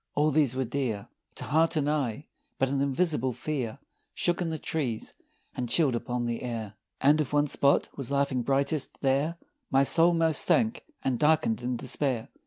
All these were dear To heart and eye but an invisible fear Shook in the trees and chilled upon the air, And if one spot was laughing brightest there My soul most sank and darkened in despair!